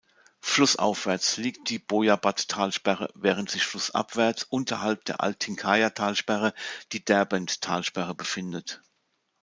Flussaufwärts liegt die Boyabat-Talsperre, während sich flussabwärts, unterhalb der Altınkaya-Talsperre, die Derbent-Talsperre befindet.